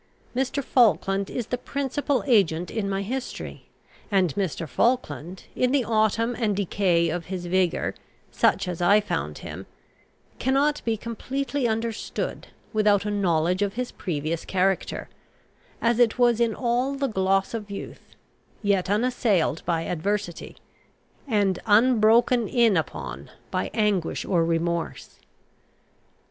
Mr. Falkland is the principal agent in my history; and Mr. Falkland in the autumn and decay of his vigour, such as I found him, cannot be completely understood without a knowledge of his previous character, as it was in all the gloss of youth, yet unassailed by adversity, and unbroken in upon by anguish or remorse.